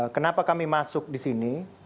kenapa kami masuk di sini